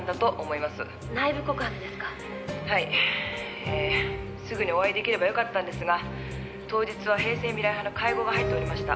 えぇすぐにお会い出来ればよかったんですが当日は平成未来派の会合が入っておりました。